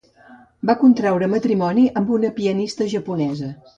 Va contraure matrimoni amb una pianista japonesa.